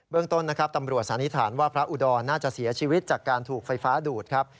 ต้นนะครับตำรวจสันนิษฐานว่าพระอุดรน่าจะเสียชีวิตจากการถูกไฟฟ้าดูดครับ